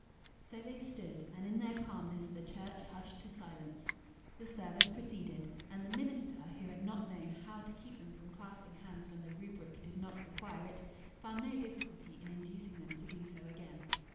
So they stood; and in their calmness the church hushed to silence. The service proceeded; and the minister, who had not known how to keep them from clasping hands when the rubric did not require it, found no difficulty in inducing them to do so again.